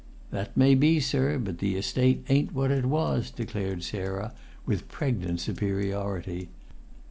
"That may be, sir, but the Estate ain't what it was," declared Sarah, with pregnant superiority.